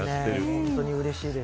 本当にうれしいです。